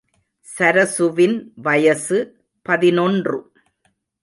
சரசுவின் வயசு பதினொன்று.